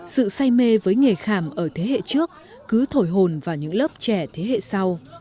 sự say mê với nghề khảm ở thế hệ trước cứ thổi hồn vào những lớp trẻ thế hệ sau